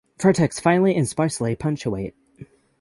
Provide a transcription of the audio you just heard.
Vertex finely and sparsely punctate.